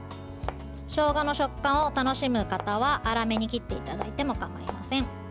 しょうがの食感を楽しむ方は粗めに切っていただいてもかまいません。